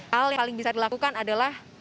hal yang paling bisa dilakukan adalah